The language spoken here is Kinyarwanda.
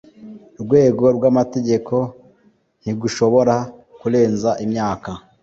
rwego rw amategeko ntigushobora kurenza imyaka